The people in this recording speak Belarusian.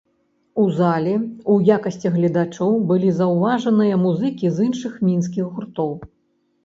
У залі ў якасці гледачоў былі заўважаныя музыкі з іншых мінскіх гуртоў.